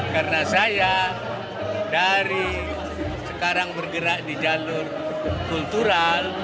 karena saya dari sekarang bergerak di jalur kultural